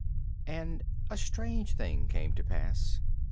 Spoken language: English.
And a strange thing came to pass.